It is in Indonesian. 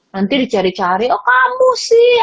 nanti dicari cari oh kamu sih